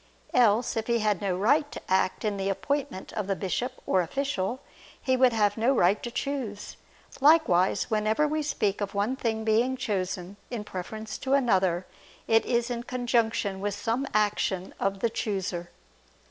Else, if he had no right to act in the appointment of the bishop or official, he would have no right to choose. Likewise, whenever we speak of one thing being chosen in preference to another, it is in conjunction with some action of the chooser.